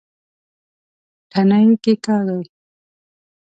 تڼي کېکاږئ